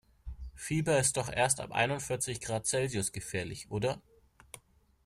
Fieber ist doch erst ab einundvierzig Grad Celsius gefährlich, oder?